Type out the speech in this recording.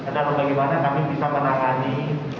dan bagaimana kami bisa menangani